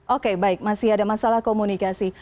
oke baik masih ada masalah komunikasi